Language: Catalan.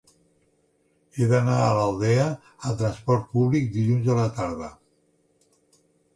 He d'anar a l'Aldea amb trasport públic dilluns a la tarda.